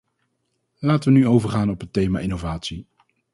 Laten we nu overgaan op het thema innovatie.